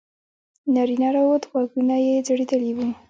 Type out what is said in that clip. نارینه راووت غوږونه یې ځړېدلي وو.